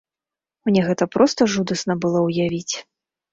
Мне гэта проста жудасна было ўявіць.